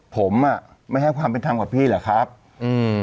ผมอ่ะไม่ให้ความเป็นธรรมกับพี่เหรอครับอืม